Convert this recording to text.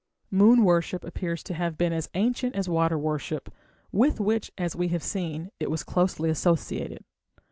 Moon worship appears to have been as ancient as water worship, with which, as we have seen, it was closely associated.